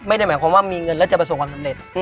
ไม่ได้หมายความว่ามีเงินแล้วจะประสบความสำเร็จ